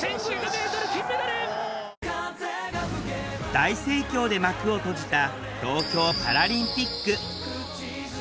大盛況で幕を閉じた東京パラリンピック。